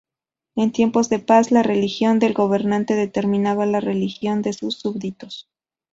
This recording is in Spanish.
En tiempos de paz, la religión del gobernante determinaba la religión de sus súbditos.